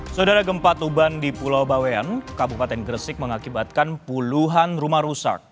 saudara gempa tuban di pulau bawean kabupaten gresik mengakibatkan puluhan rumah rusak